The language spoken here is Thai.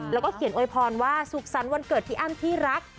แล้วก็เขียนโวยพรว่าสุขสรรค์วันเกิดพี่อ้ำที่รัก